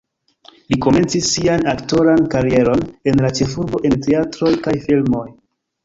Li komencis sian aktoran karieron en la ĉefurbo en teatroj kaj filmoj.